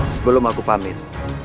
sebelum aku pamit